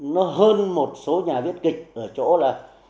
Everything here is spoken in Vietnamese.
nó hơn một số nhà viết kịch ở chỗ là